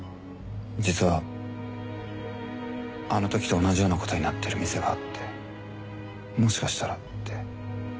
実はあの時と同じような事になってる店があってもしかしたらって。